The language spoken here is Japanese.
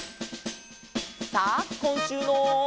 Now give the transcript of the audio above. さあこんしゅうの。